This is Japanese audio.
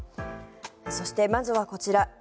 そして、まずはこちら。